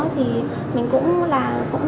thì mình cũng là